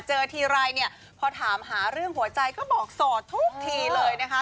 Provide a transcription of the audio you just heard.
ทีไรเนี่ยพอถามหาเรื่องหัวใจก็บอกโสดทุกทีเลยนะคะ